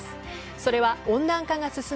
それは温暖化が進む